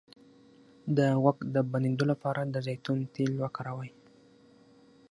د غوږ د بندیدو لپاره د زیتون تېل وکاروئ